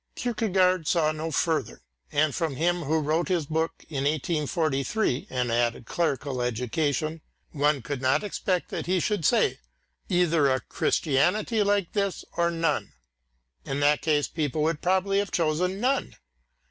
Kierkegaard saw no further, and from him who wrote his book in 1843, and had a clerical education, one could not expect that he should say: "Either a Christianity like this, or none!" In that case people would probably have chosen none.